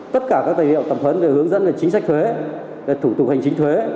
tất cả các tài niệm tẩm huấn được hướng dẫn về chính sách thuế về thủ tục hành chính thuế